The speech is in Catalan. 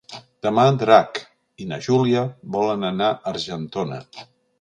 Demà en Drac i na Júlia volen anar a Argentona.